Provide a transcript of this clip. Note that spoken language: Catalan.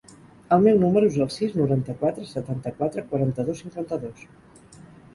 El meu número es el sis, noranta-quatre, setanta-quatre, quaranta-dos, cinquanta-dos.